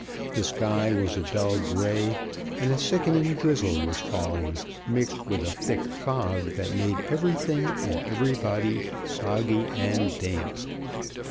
The sky was a dull gray, and a sickening drizzle was falling, mixed with a thick fog that made everything and everybody soggy and damp.